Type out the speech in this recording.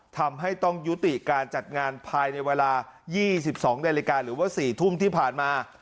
ทำให้ต้องยุติการจัดงานภายในเวลา๒๒นาฬิกาหรือว่า๔ทุ่มที่ผ่านมา